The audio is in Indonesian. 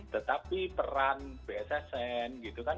tetapi peran bssn gitu kan